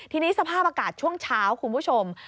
ทีนี้สภาพอากาศช่วงเช้าคุณผู้ชม